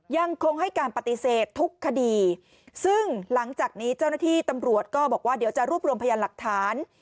ยังคงให้การปฏิเสธทุกคดีซึ่งหลังจากนี้เจ้าหน้าที่ตำรวจก็บอกว่าเดี๋ยวจะรวบรวมพยานหลักฐาน